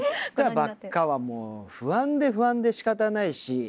来たばっかはもう不安で不安でしかたないし。